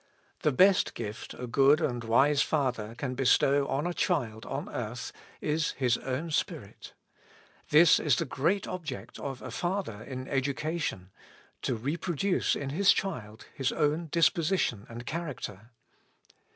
The best gift a good and wise father can bestow on a child on earth is his own spirit. This is the great object of a father 56 With Christ in the School of Prayer. in education— to reproduce in his child his own dis position and character.